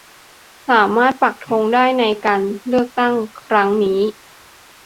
สามารถปักธงได้ในการเลือกตั้งครั้งนี้